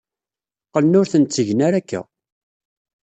Qqlen ur ten-ttgen ara akka.